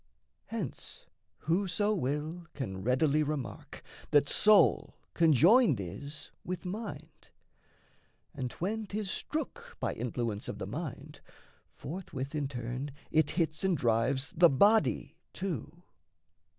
Hence, whoso will can readily remark That soul conjoined is with mind, and, when 'Tis strook by influence of the mind, forthwith In turn it hits and drives the body too.